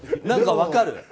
何か分かる。